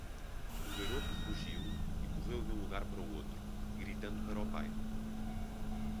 O garoto rugiu e correu de um lugar para outro, gritando para o pai.